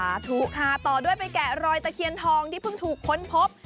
ค่ะต่อด้วยไปแกะรอยตะเคียนทองที่เพิ่งถูกค้นพบ